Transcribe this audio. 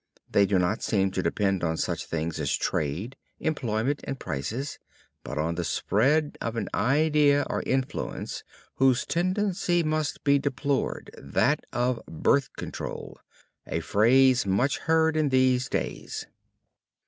They do not seem to depend on such things as trade, employment and prices; but on the spread of an idea or influence whose tendency must be deplored, that of "birth control," a phrase much heard in these days.